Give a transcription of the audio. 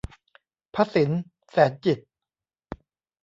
พศิน แสนจิตต์